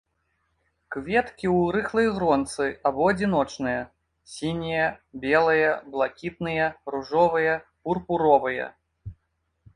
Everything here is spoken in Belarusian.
Кветкі ў рыхлай гронцы або адзіночныя, сінія, белыя, блакітныя, ружовыя, пурпуровыя.